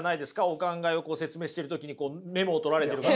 お考えを説明してる時にメモを取られてる方。